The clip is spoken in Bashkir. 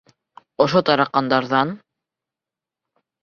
Ошо тараҡандарҙан?